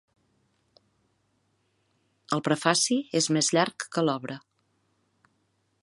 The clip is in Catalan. El prefaci és més llarg que l'obra.